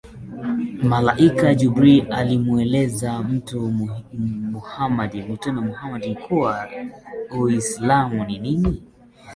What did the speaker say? malaika jibril alimwuliza mtume muhammad kuwa uislamu ni nini